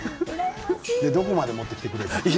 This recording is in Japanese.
どこまで持ってきてくれるんですか？